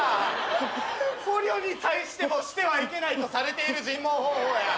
捕虜に対してもしてはいけないとされている尋問方法や。